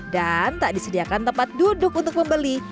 dan tak disediakan tempat duduk untuk pembeli